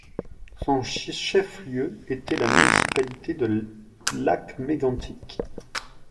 Son chef-lieu était la municipalité de Lac-Mégantic.